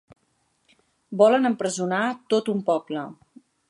Volen empresonar tot un poble.